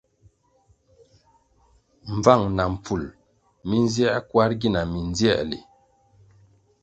Mbvang na mpful mi nzier kwar gina mindzierli.